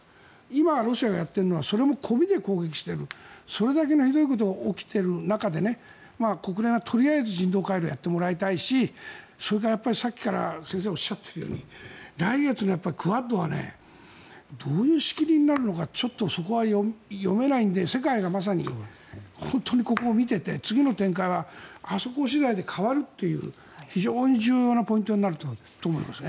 今、ロシアがやっているのはそれも込みで攻撃しているそれだけのひどいことが起きている中で国連はとりあえず人道回廊をやってもらいたいしそれから、さっきから先生がおっしゃっているように来月のクアッドはどういう仕切りになるのかちょっとそこは読めないので世界が本当にここを見ていて次の展開はあそこ次第で変わるという非常に重要なポイントになると思います。